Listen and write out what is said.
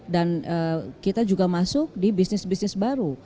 dan kita juga masuk di bisnis bisnis baru